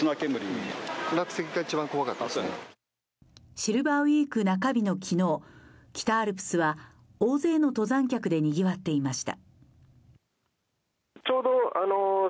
シルバーウイーク中日の昨日、北アルプスは大勢の登山客でにぎわっていました。